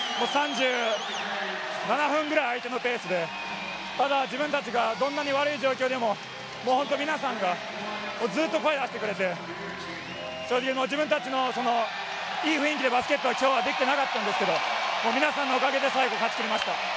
３７分くらい相手のペースでただ自分たちがどんなに悪い状況でも本当に皆さんがずっと声を出してくれて、自分たちのいい雰囲気でバスケットは、きょうはできていなかったんですけれども、皆さんのおかげで最後勝ち切りました。